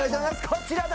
こちらだ。